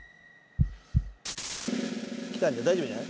きたんじゃ大丈夫じゃない？